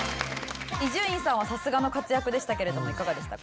伊集院さんはさすがの活躍でしたけれどもいかがでしたか？